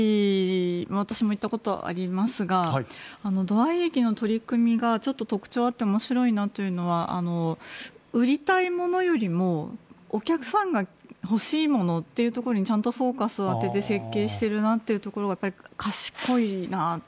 私も行ったことありますが土合駅の取り組みが特徴あって面白いなというのは売りたいものよりもお客さんが欲しいものっていうところにちゃんとフォーカスを当てて設計しているなというところが賢いなと。